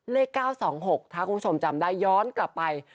เลข๙๒๖ถ้าคุณผู้ชมจำได้ย้อนกลับไป